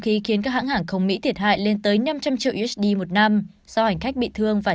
ký khiến các hãng hàng không mỹ thiệt hại lên tới năm trăm linh triệu usd một năm do hành khách bị thương và